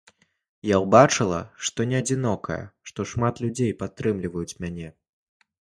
Я ўбачыла, што не адзінокая, што шмат людзей падтрымліваюць мяне.